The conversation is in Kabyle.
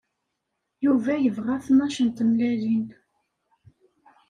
Yuba yebɣa tnac n tmellalin.